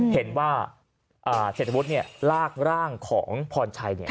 เห็นว่าเศรษฐวุฒิลากร่างของพรชัย